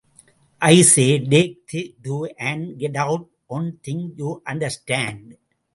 I say take the two and get out one thing... you understand.